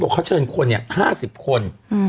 เขาเชิญคน๕๐คน